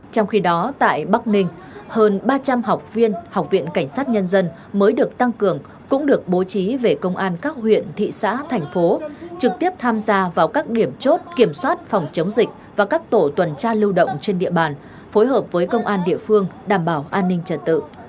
trong khi đó tại bắc ninh hơn ba trăm linh học viên học viện cảnh sát nhân dân mới được tăng cường cũng được bố trí về công an các huyện thị xã thành phố trực tiếp tham gia vào các điểm chốt kiểm soát phòng chống dịch và các tổ tuần tra lưu động trên địa bàn phối hợp với công an địa phương đảm bảo an ninh trật tự